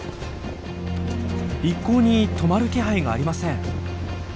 一向に止まる気配がありません。